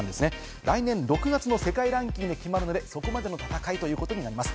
来年６月の世界ランキングが決まるのでそこまでの戦いということになります。